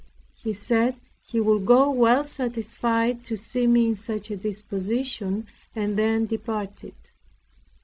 He said he would go well satisfied to see me in such a disposition, and then departed.